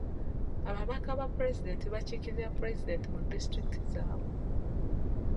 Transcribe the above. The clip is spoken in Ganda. Ababaka ba pulezidenti bakiikirira pulezidenti mu disitulikiti zaabwe.